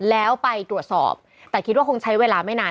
แล้วไปตรวจสอบแต่คิดว่าคงใช้เวลาไม่นาน